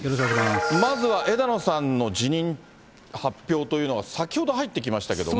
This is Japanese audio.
まずは枝野さんの辞任発表というのは、先ほど入ってきましたけども。